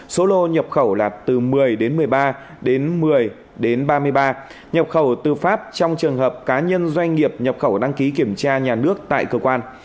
số lô nhập khẩu là từ một mươi một mươi ba đến một mươi ba mươi ba nhập khẩu từ pháp trong trường hợp cá nhân doanh nghiệp nhập khẩu đăng ký kiểm tra nhà nước tại cơ quan